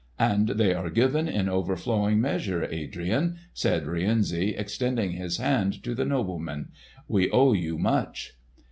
"And they are given in overflowing measure, Adrian!" said Rienzi, extending his hand to the nobleman. "We owe you much."